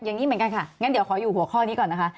อย่างนี้เหมือนกันค่ะงั้นเดี๋ยวขออยู่หัวข้อนี้ก่อนนะคะ